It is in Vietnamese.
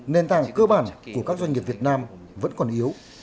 nền tảng cơ bản của các doanh nghiệp việt nam vẫn còn yếu